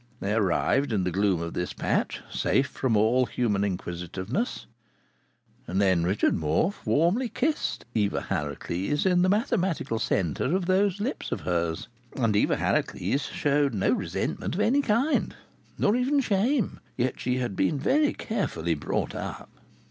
They arrived in the gloom of this patch, safe from all human inquisitiveness, and then Richard Morfe warmly kissed Eva Harracles in the mathematical centre of those lips of hers. And Eva Harracles showed no resentment of any kind, nor even shame. Yet she had been very carefully brought up.